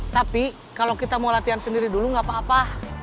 tapi kalau kita mau latihan sendiri dulu nggak apa apa